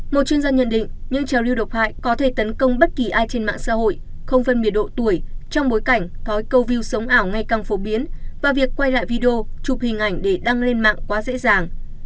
một chuyên gia nhận định những trào lưu độc hại có thể tấn công bất kỳ ai trên mạng xã hội không phân biệt độ tuổi trong bối cảnh có câu view sống ảo ngày càng phổ biến và việc quay lại video chụp hình ảnh để đăng lên mạng quá dễ dàng